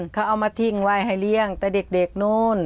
เขาเอามาทิ้งไว้ให้เลี้ยงแต่เด็กนู้น